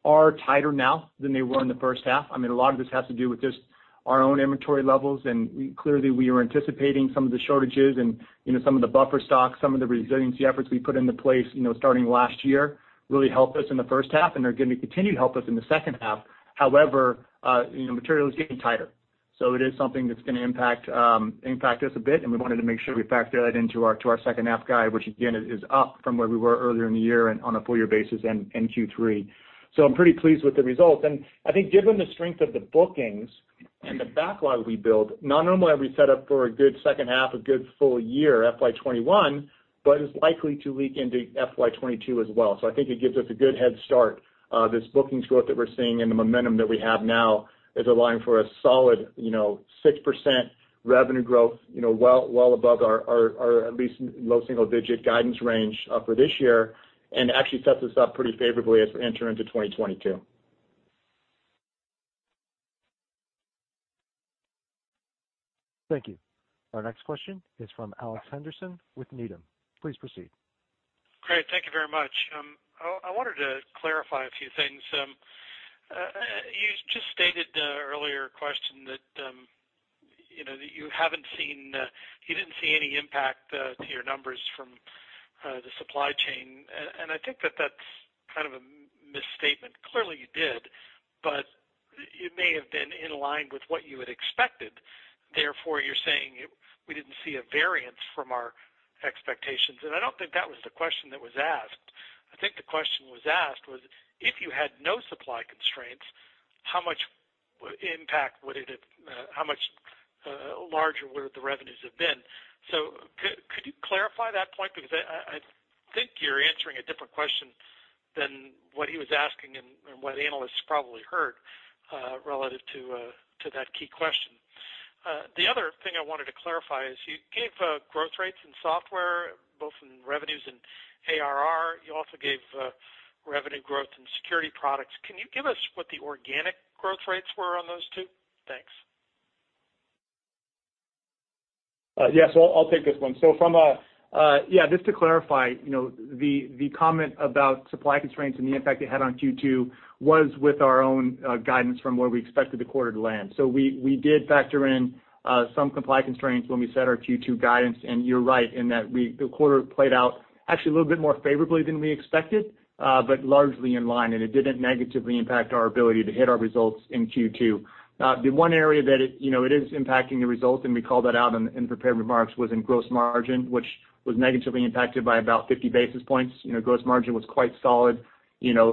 [SPEAKER 4] are tighter now than they were in the first half. A lot of this has to do with just our own inventory levels, and clearly we are anticipating some of the shortages and some of the buffer stock, some of the resiliency efforts we put into place starting last year really helped us in the first half and are going to continue to help us in the second half. However, material is getting tighter. It is something that's going to impact us a bit, and we wanted to make sure we factor that into our second half guide, which again, is up from where we were earlier in the year and on a full year basis in Q3. I'm pretty pleased with the results. I think given the strength of the bookings and the backlog we built, not only are we set up for a good second half, a good full year FY 2021, but it's likely to leak into FY 2022 as well. I think it gives us a good head start. This bookings growth that we're seeing and the momentum that we have now is allowing for a solid 6% revenue growth, well above our, at least low single-digit guidance range for this year, and actually sets us up pretty favorably as we enter into 2022.
[SPEAKER 1] Thank you. Our next question is from Alex Henderson with Needham. Please proceed.
[SPEAKER 10] Great. Thank you very much. I wanted to clarify a few things. You just stated the earlier question that you didn't see any impact to your numbers from the supply chain. I think that that's kind of a misstatement. Clearly you did, but it may have been in line with what you had expected, therefore you're saying we didn't see a variance from our expectations. I don't think that was the question that was asked. I think the question that was asked was, if you had no supply constraints, how much larger would the revenues have been? Could you clarify that point? Because I think you're answering a different question than what he was asking and what analysts probably heard, relative to that key question. The other thing I wanted to clarify is you gave growth rates in software, both in revenues and ARR. You also gave revenue growth in security products. Can you give us what the organic growth rates were on those two? Thanks.
[SPEAKER 4] Yes, I'll take this one. Just to clarify, the comment about supply constraints and the impact it had on Q2 was with our own guidance from where we expected the quarter to land. We did factor in some supply constraints when we set our Q2 guidance, and you're right in that the quarter played out actually a little bit more favorably than we expected, but largely in line, and it didn't negatively impact our ability to hit our results in Q2. The one area that it is impacting the results, and we called that out in prepared remarks, was in gross margin, which was negatively impacted by about 50 basis points. Gross margin was quite solid,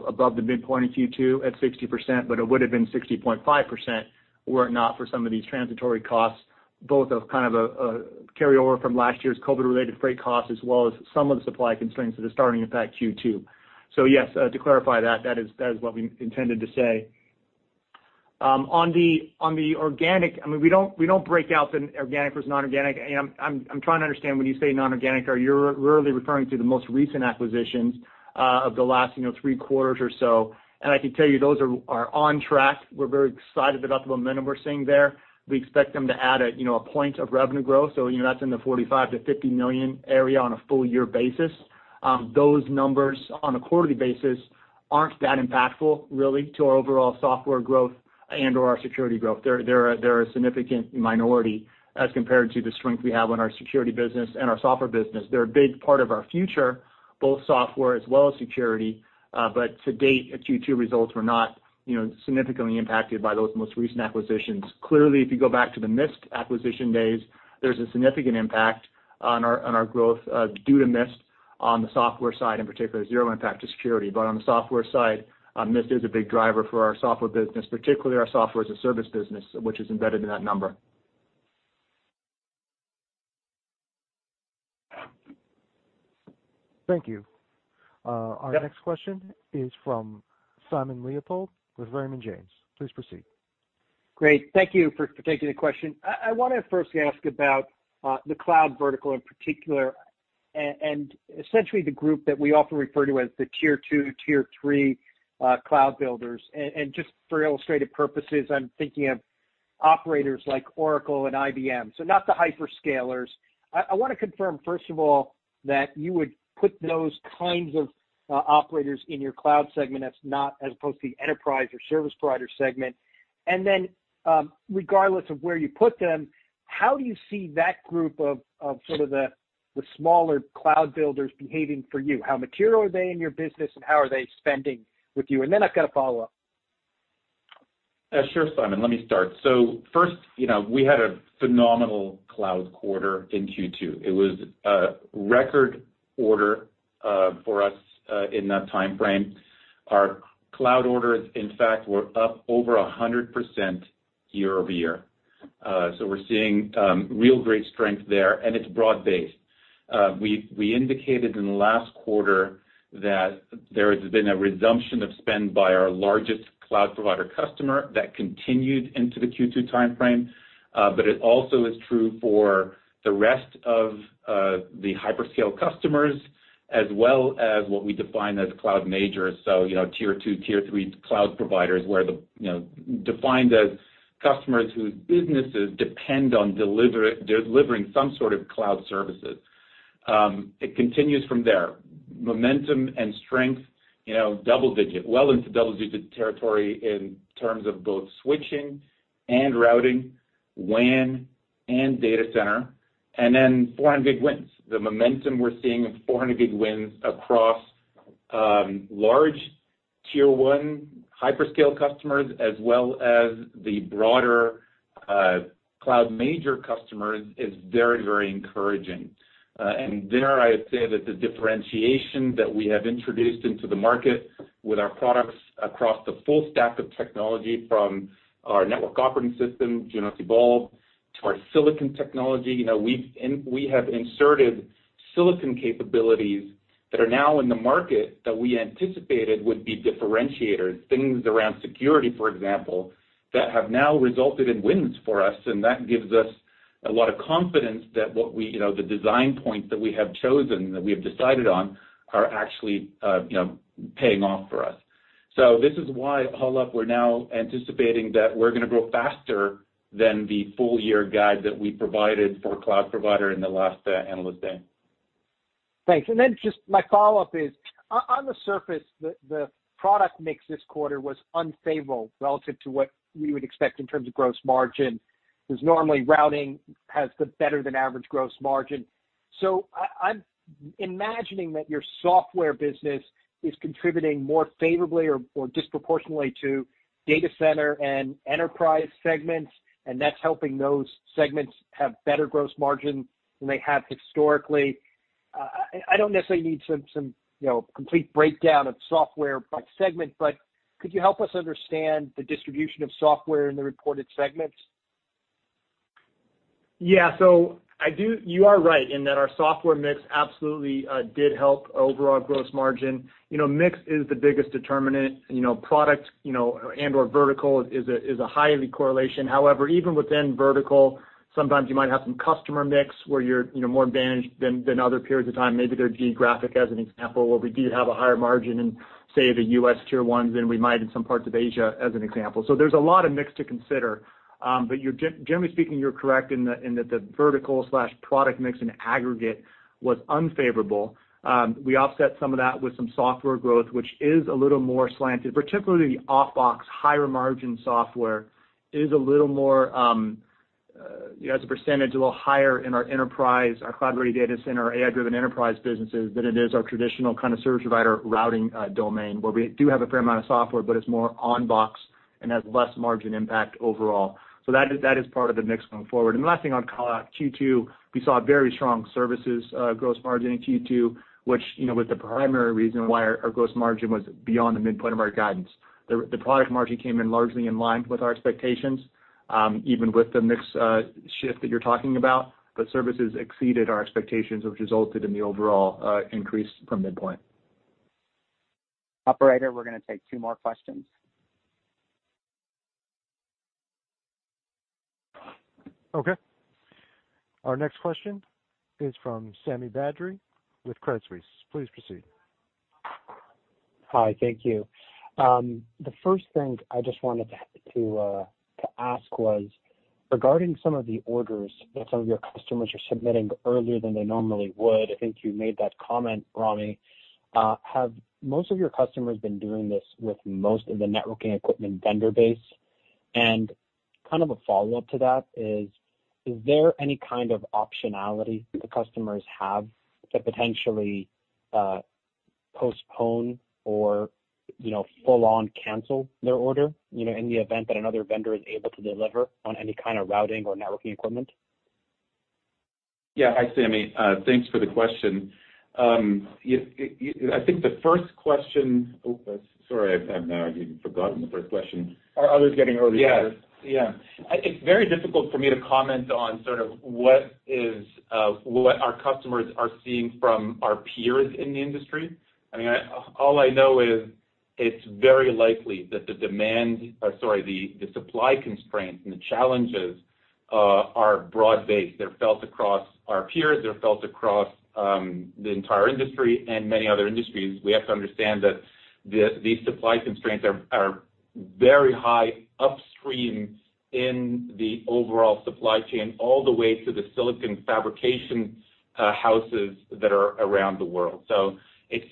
[SPEAKER 4] above the midpoint in Q2 at 60%. It would've been 60.5% were it not for some of these transitory costs, both of a carryover from last year's COVID-related freight costs, as well as some of the supply constraints that are starting to impact Q2. Yes, to clarify that is what we intended to say. On the organic, we don't break out the organic versus non-organic. I'm trying to understand when you say non-organic, are you really referring to the most recent acquisitions of the last three quarters or so? I can tell you, those are on track. We're very excited about the momentum we're seeing there. We expect them to add a point of revenue growth. That's in the $45 million-$50 million area on a full year basis. Those numbers on a quarterly basis aren't that impactful really to our overall software growth and/or our security growth. They're a significant minority as compared to the strength we have on our security business and our software business. They're a big part of our future, both software as well as security. To date, the Q2 results were not significantly impacted by those most recent acquisitions. Clearly, if you go back to the Mist acquisition days, there's a significant impact on our growth due to Mist on the software side, in particular, zero impact to security. On the software side, Mist is a big driver for our software business, particularly our software as a service business, which is embedded in that number.
[SPEAKER 1] Thank you.
[SPEAKER 3] Yep.
[SPEAKER 1] Our next question is from Simon Leopold with Raymond James. Please proceed.
[SPEAKER 11] Great. Thank you for taking the question. I want to first ask about the cloud vertical in particular, essentially the group that we often refer to as the tier 2, tier 3 cloud builders. Just for illustrative purposes, I'm thinking of operators like Oracle and IBM, so not the hyperscalers. I want to confirm, first of all, that you would put those kinds of operators in your cloud segment as opposed to the enterprise or service provider segment. Then, regardless of where you put them, how do you see that group of sort of the smaller cloud builders behaving for you? How material are they in your business, and how are they spending with you? Then I've got a follow-up.
[SPEAKER 3] Sure, Simon, let me start. First, we had a phenomenal cloud quarter in Q2. It was a record order for us in that timeframe. Our cloud orders, in fact, were up over 100% year-over-year. We're seeing real great strength there, and it's broad-based. We indicated in the last quarter that there has been a resumption of spend by our largest cloud provider customer that continued into the Q2 timeframe. It also is true for the rest of the hyperscale customers as well as what we define as cloud majors. Tier 2, tier 3 cloud providers defined as customers whose businesses depend on delivering some sort of cloud services. It continues from there. Momentum and strength, double-digit, well into double-digit territory in terms of both switching and routing, WAN and data center, and then 400 gig wins. The momentum we're seeing of 400G wins across large tier 1 hyperscale customers, as well as the broader cloud major customers, is very encouraging. There I would say that the differentiation that we have introduced into the market with our products across the full stack of technology, from our network operating system, Junos OS Evolved, to our silicon technology. We have inserted silicon capabilities that are now in the market that we anticipated would be differentiators, things around security, for example, that have now resulted in wins for us, and that gives us a lot of confidence that the design points that we have chosen, that we have decided on are actually paying off for us. This is why, all up, we're now anticipating that we're going to grow faster than the full-year guide that we provided for cloud provider in the last Analyst Day.
[SPEAKER 11] Thanks. Just my follow-up is, on the surface, the product mix this quarter was unfavorable relative to what we would expect in terms of gross margin, because normally routing has the better than average gross margin. I'm imagining that your software business is contributing more favorably or disproportionately to data center and enterprise segments, and that's helping those segments have better gross margin than they have historically. I don't necessarily need some complete breakdown of software by segment, but could you help us understand the distribution of software in the reported segments?
[SPEAKER 4] Yeah. You are right in that our software mix absolutely did help overall gross margin. Mix is the biggest determinant. Product and/or vertical is a high correlation. However, even within vertical, sometimes you might have some customer mix where you're more advantaged than other periods of time. Maybe they're geographic, as an example, where we do have a higher margin in, say, the U.S. tier ones than we might in some parts of Asia, as an example. There's a lot of mix to consider. Generally speaking, you're correct in that the vertical/product mix in aggregate was unfavorable. We offset some of that with some software growth, which is a little more slanted, particularly the off-box, higher margin software is a little more, as a percentage, a little higher in our enterprise, our cloud-ready data center, AI-driven enterprise businesses than it is our traditional kind of service provider routing domain, where we do have a fair amount of software, but it's more on-box and has less margin impact overall. That is part of the mix going forward. The last thing I'd call out, Q2, we saw very strong services gross margin in Q2, which was the primary reason why our gross margin was beyond the midpoint of our guidance. The product margin came in largely in line with our expectations, even with the mix shift that you're talking about. Services exceeded our expectations, which resulted in the overall increase from midpoint.
[SPEAKER 2] Operator, we're going to take two more questions.
[SPEAKER 1] Okay. Our next question is from Sami Badri with Credit Suisse. Please proceed.
[SPEAKER 12] Hi. Thank you. The first thing I just wanted to ask was regarding some of the orders that some of your customers are submitting earlier than they normally would. I think you made that comment, Rami. Have most of your customers been doing this with most of the networking equipment vendor base? Kind of a follow-up to that is there any kind of optionality the customers have to potentially postpone or full on cancel their order in the event that another vendor is able to deliver on any kind of routing or networking equipment?
[SPEAKER 3] Yeah. Hi, Sami. Thanks for the question. Oh, sorry, I've now even forgotten the first question.
[SPEAKER 12] Are others getting early orders?
[SPEAKER 3] Yeah. It's very difficult for me to comment on sort of what our customers are seeing from our peers in the industry. I mean, all I know is. It's very likely that the supply constraints and the challenges are broad-based. They're felt across our peers, they're felt across the entire industry and many other industries. We have to understand that these supply constraints are very high upstream in the overall supply chain, all the way to the silicon fabrication houses that are around the world. It's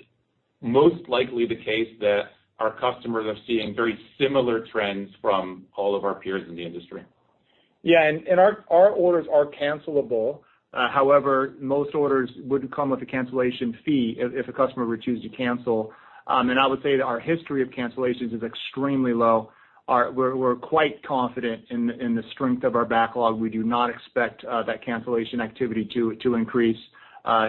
[SPEAKER 3] most likely the case that our customers are seeing very similar trends from all of our peers in the industry.
[SPEAKER 4] Yeah, our orders are cancelable. However, most orders would come with a cancellation fee if a customer were to choose to cancel. I would say that our history of cancellations is extremely low. We're quite confident in the strength of our backlog. We do not expect that cancellation activity to increase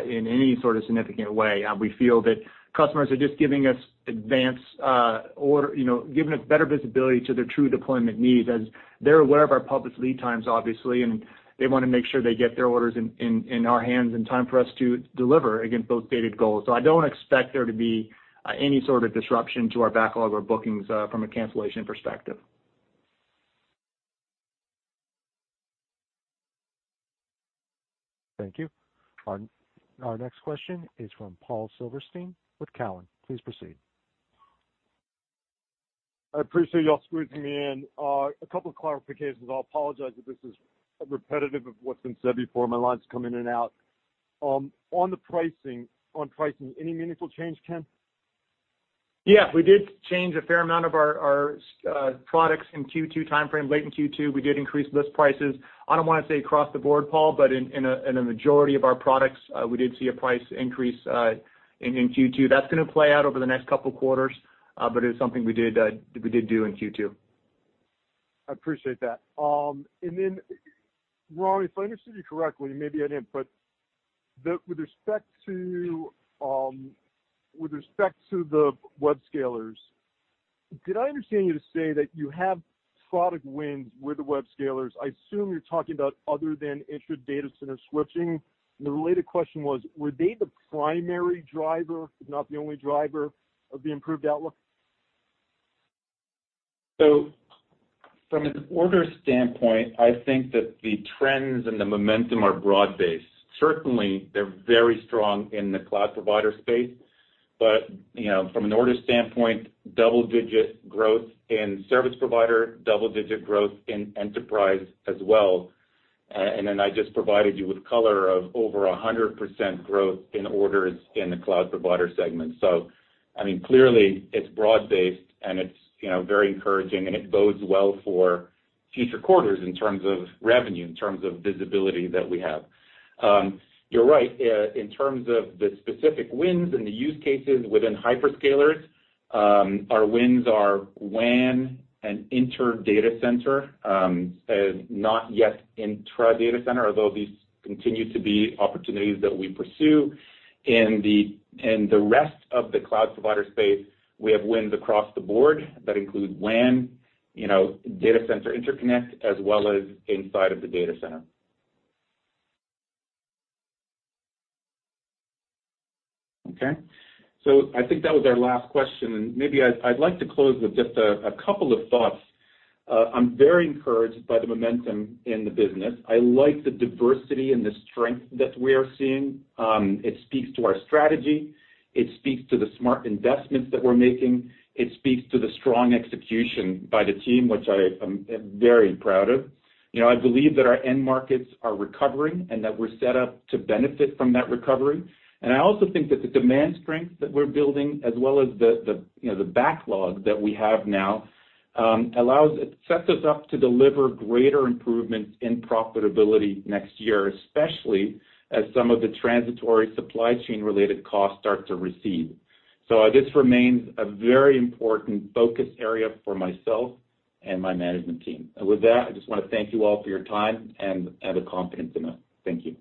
[SPEAKER 4] in any sort of significant way. We feel that customers are just giving us better visibility to their true deployment needs as they're aware of our published lead times, obviously, and they want to make sure they get their orders in our hands in time for us to deliver against those dated goals. I don't expect there to be any sort of disruption to our backlog or bookings from a cancellation perspective.
[SPEAKER 1] Thank you. Our next question is from Paul Silverstein with Cowen. Please proceed.
[SPEAKER 13] I appreciate you all squeezing me in. A couple of clarifications. I'll apologize if this is repetitive of what's been said before. My line's coming in and out. On pricing, any meaningful change, Ken?
[SPEAKER 3] Yeah, we did change a fair amount of our products in Q2 timeframe. Late in Q2, we did increase list prices. I don't want to say across the board, Paul, but in a majority of our products, we did see a price increase in Q2. That's going to play out over the next couple of quarters, but it was something we did do in Q2.
[SPEAKER 13] I appreciate that. Rami, if I understood you correctly, and maybe I didn't, but with respect to the web scalers, did I understand you to say that you have product wins with the web scalers? I assume you're talking about other than intra data center switching. The related question was, were they the primary driver, if not the only driver, of the improved outlook?
[SPEAKER 3] From an order standpoint, I think that the trends and the momentum are broad-based. Certainly, they're very strong in the cloud provider space. From an order standpoint, double-digit growth in service provider, double-digit growth in enterprise as well. I just provided you with color of over 100% growth in orders in the cloud provider segment. Clearly, it's broad-based and it's very encouraging and it bodes well for future quarters in terms of revenue, in terms of visibility that we have. You're right. In terms of the specific wins and the use cases within hyperscalers, our wins are WAN and inter data center, not yet intra data center, although these continue to be opportunities that we pursue. In the rest of the cloud provider space, we have wins across the board that include WAN, data center interconnect, as well as inside of the data center. Okay. I think that was our last question, and maybe I'd like to close with just a couple of thoughts. I'm very encouraged by the momentum in the business. I like the diversity and the strength that we're seeing. It speaks to our strategy. It speaks to the smart investments that we're making. It speaks to the strong execution by the team, which I am very proud of. I believe that our end markets are recovering and that we're set up to benefit from that recovery. I also think that the demand strength that we're building, as well as the backlog that we have now, sets us up to deliver greater improvements in profitability next year, especially as some of the transitory supply chain related costs start to recede. This remains a very important focus area for myself and my management team. With that, I just want to thank you all for your time and the confidence in us. Thank you.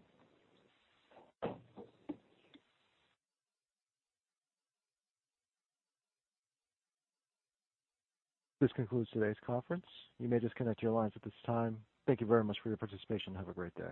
[SPEAKER 1] This concludes today's conference. You may disconnect your lines at this time. Thank you very much for your participation and have a great day.